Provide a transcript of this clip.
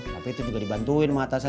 tapi itu juga dibantuin mata saya